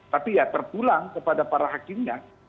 tapi ya terpulang kepada para hakimnya